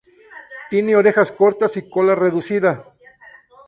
Tienen orejas cortas y cola reducida.